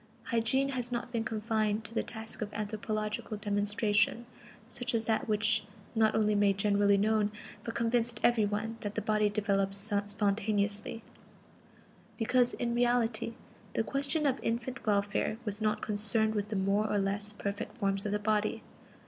Hygiene has not been confined to the task of anthropological demonstration, such as that which not only made generally known, but convinced every one, that the body develops spontaneously; because, in reality, the question of infant welfare was not concerned with the more or less perfect forms of the body.